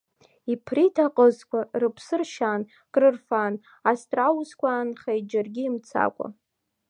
Иԥрит аҟызқәа, рыԥсы ршьан, крырфан, астраусқәа аанхеит џьаргьы имцакәа.